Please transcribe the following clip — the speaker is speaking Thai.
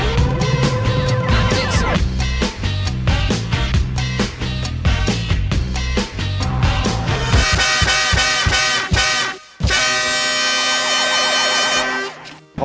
อันตราย